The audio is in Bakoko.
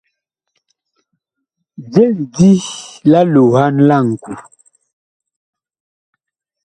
Je lidi la loohan la ŋku.